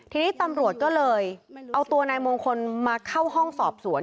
ทีนี้ตำรวจก็เลยเอาตัวนายมงคลมาเข้าห้องสอบสวน